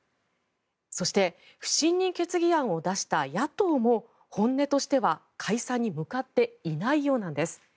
そして不信任決議案を出した野党も本音としては解散に向かっていないようなんです。